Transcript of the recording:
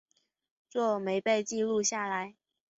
若没被记录下来